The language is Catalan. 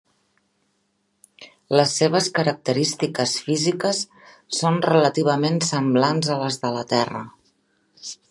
Les seves característiques físiques són relativament semblants a les de la Terra.